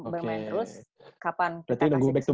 bermain terus kapan kita kasih